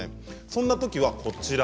そんな時はこちら。